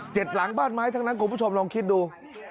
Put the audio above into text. หลังบ้านไม้ทั้งนั้นคุณผู้ชมลองคิดดู